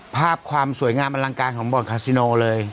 ภาพความสวยงามอร่างกายของพลต์คาร์ซิโนเลย